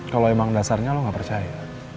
kalau emang dasarnya lo gak percaya